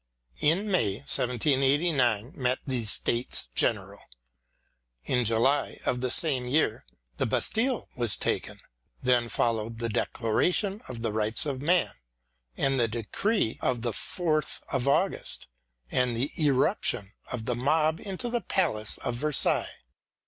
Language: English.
In May 1789 met the States General. In July of the same year the Bastille was taken. Then followed the Declaration of the Rights of Man and the Decree of the Fourth of August, and the irruption of the mob into the palace of Versailles.